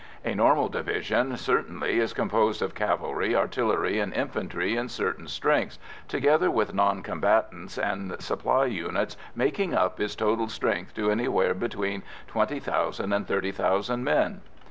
A normal division, certainly, is composed of cavalry, artillery, and infantry in certain strengths, together with non combatants and supply units making up its total strength to anywhere between 20,000 and 30,000 men.